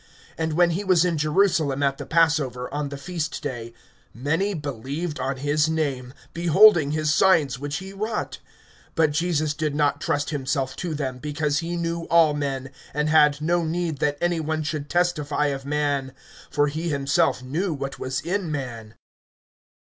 (23)And when he was in Jerusalem at the passover, on the feast day, many believed on his name, beholding his signs which he wrought. (24)But Jesus did not trust himself to them, because he knew all men, (25)and had no need that any one should testify of man; for he himself knew what was in man.